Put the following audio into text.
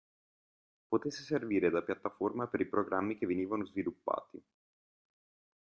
Potesse servire da piattaforma per i programmi che venivano sviluppati.